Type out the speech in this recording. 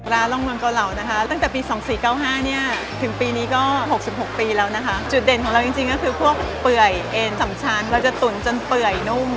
ลาล้องมังเกาเหลาตั้งแต่ปี๒๔๙๕นถึงปีนี้ก็๖๖ปีแล้วจุดเด่นของเราจริงคือพวกเปื่อยเห็นสำชาญเราจะตุ่นจนเปื่อยนุ่ม